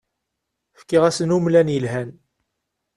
Fkiɣ-asen umlan yelhan.